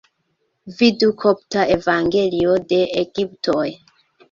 Vidu Kopta Evangelio de Egiptoj.